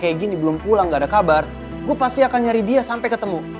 kayak gini belum pulang gak ada kabar gue pasti akan nyari dia sampai ketemu